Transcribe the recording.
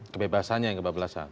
kebebasannya yang kebablasan